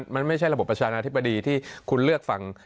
มันไม่ใช่ระบบประชานาธิบดีที่คุณเลือกฟัง